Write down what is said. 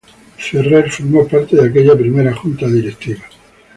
Ferrer formó parte de aquella primera Junta Directiva.